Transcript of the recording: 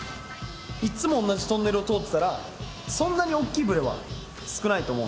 いつも同じトンネルを通ってたらそんなに大きいブレは少ないと思うのでそこのイメージ。